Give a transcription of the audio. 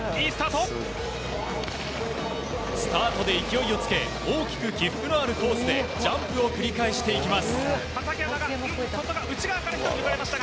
スタートで勢いをつけ大きく起伏のあるコースでジャンプを繰り返していきます。